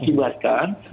itu yang dibuatkan